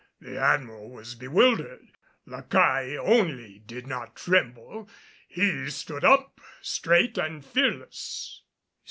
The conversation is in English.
The Admiral was bewildered. La Caille, only, did not tremble. He stood up, straight and fearless.